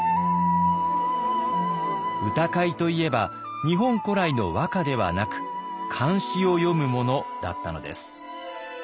歌会といえば日本古来の和歌ではなく漢詩を詠むものだったのです。